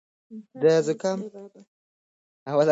د زکام پر مهال خوله پټه کړئ.